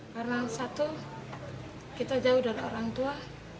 karena satu kita jauh dari orang tua